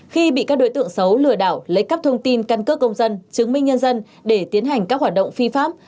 khi bị các đối tượng xấu lừa đảo lấy cắp thông tin căn cước công dân chứng minh nhân dân để tiến hành các hoạt động phi pháp